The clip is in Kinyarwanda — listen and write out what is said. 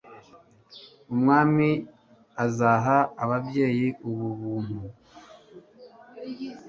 Umwami azaha ababyeyi ubu buntu